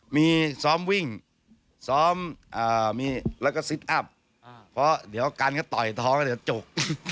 มีซ้อมวิ่งซ้อมอ่ามีแล้วก็อ่าเพราะเดี๋ยวกันก็ต่อยท้องก็จะจก